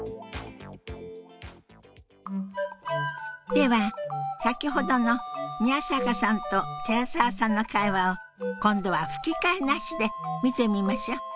では先ほどの宮坂さんと寺澤さんの会話を今度は吹き替えなしで見てみましょう。